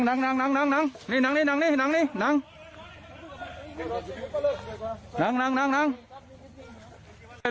ครับท่านครับครับครับครับครับ